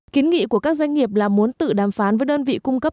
kiến nghị của các doanh nghiệp là muốn tự đàm phán với đơn vị cung cấp